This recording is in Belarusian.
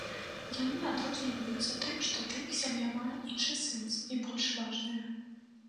Яны адрозніваюцца тым, што для іх сям'я мае іншы сэнс і больш важная.